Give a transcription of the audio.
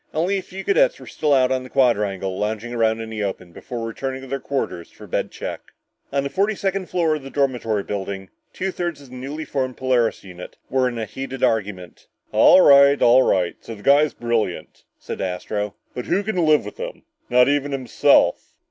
Only a few cadets were still out on the quadrangle, lounging around in the open before returning to their quarters for bed check. On the forty second floor of the dormitory building, two thirds of the newly formed Polaris unit, Tom and Astro, were in heated argument. "All right, all right, so the guy is brilliant," said Astro. "But who can live with him? Not even himself!"